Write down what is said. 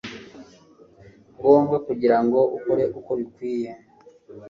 ngombwa kugira ngo ukore uko bikwiye